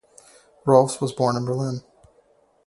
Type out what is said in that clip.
Rohlfs was born in Berlin.